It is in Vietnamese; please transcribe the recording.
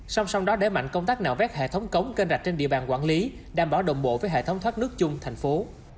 song song đó để mạnh công tác nạo vét hệ thống cống kênh rạch trên địa bàn quản lý đảm bảo đồng bộ với hệ thống thoát nước chung thành phố